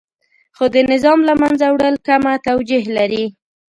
خو د نظام له منځه وړل کمه توجیه لري.